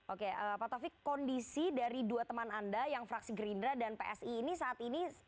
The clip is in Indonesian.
oke pak taufik kondisi dari dua teman anda yang fraksi gerindra dan psi ini saat ini